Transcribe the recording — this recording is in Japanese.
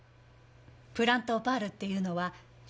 プラントオパールっていうのは植物